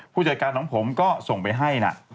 ผู้จัดการของผมก็ส่งไปให้นะ